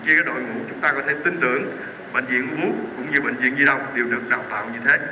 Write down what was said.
chỉ có đội ngũ chúng ta có thể tin tưởng bệnh viện ung bú cũng như bệnh viện duy đông đều được đào tạo như thế